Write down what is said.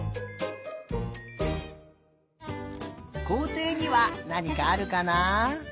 こうていにはなにかあるかな？